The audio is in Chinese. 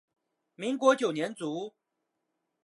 民国九年卒。